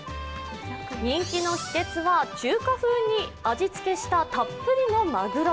人気の秘けつは中華風に味付けしたたっぷりのマグロ。